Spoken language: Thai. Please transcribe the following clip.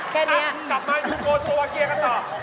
กลับมาอยู่โกสโวเวอร์เกียร์ก็ตอบ